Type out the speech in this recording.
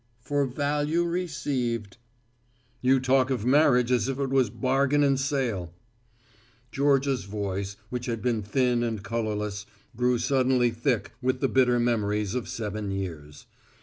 "For value received." "You talk of marriage as if it was bargain and sale." Georgia's voice, which had been thin and colorless, grew suddenly thick with the bitter memories of seven years.